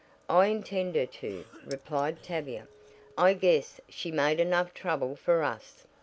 "I intend her to," replied Tavia. "I guess she made enough trouble for us."